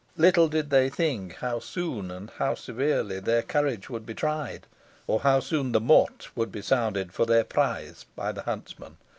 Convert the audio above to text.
Little did they think how soon and severely their courage would be tried, or how soon the mort would be sounded for their pryse by the huntsman.